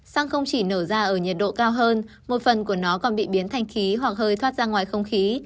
xăng không chỉ nở ra ở nhiệt độ cao hơn một phần của nó còn bị biến thành khí hoặc hơi thoát ra ngoài không khí